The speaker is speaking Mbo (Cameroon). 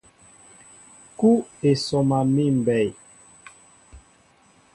Kúw e sɔma míʼ mbɛy.